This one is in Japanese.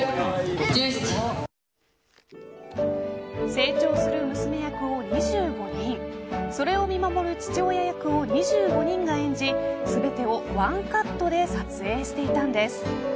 成長する娘役を２５人それを見守る父親役を２５人が演じ全てをワンカットで撮影していたんです。